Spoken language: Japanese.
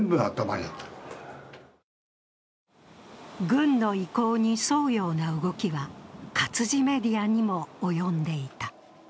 軍の意向に沿うような動きは、活字メディアにも及んでいた。